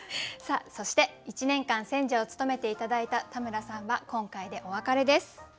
そして１年間選者を務めて頂いた田村さんは今回でお別れです。